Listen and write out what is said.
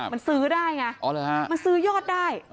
มันซื้อได้ไงมันซื้อยอดได้